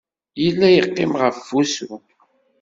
Yella yeqqim ɣef usu.